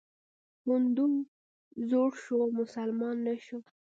هندو زوړ شو، مسلمان نه شو.